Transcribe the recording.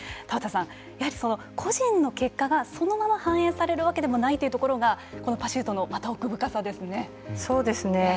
田畑さん、やはり個人の結果がそのまま反映されるわけでもないというところがこのパシュートのまた奥深さですね。